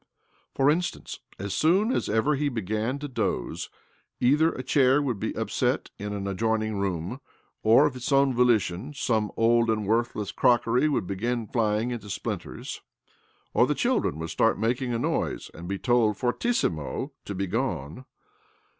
For instance, as soon ever he began to doze, either a chair wov be upset in an adjoining room, or, of its o^ volition, some old and worthless crocke would begin flying into splinters, or t children would start making a noise, a: be told, fortissimo, to be gone.